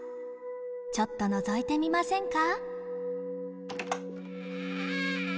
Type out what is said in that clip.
ちょっとのぞいてみませんか。